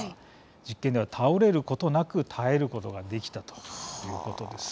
実験では倒れることなく耐えることができたということです。